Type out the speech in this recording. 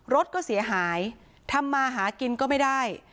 รถก็เสียหายทำมาหากินก็ไม่ได้